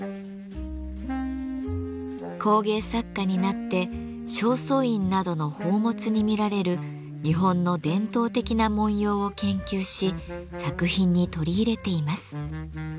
工芸作家になって正倉院などの宝物に見られる日本の伝統的な文様を研究し作品に取り入れています。